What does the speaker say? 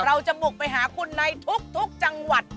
เราจะบุกไปหาคุณในทุกจังหวัด